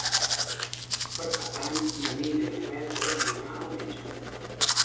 Per Cap d'Any na Neida i na Bet volen anar al metge.